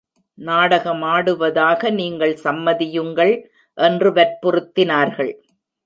நாடகமாடுவதாக நீங்கள் சம்மதியுங்கள்! என்று வற்புறுத்தினார்கள்.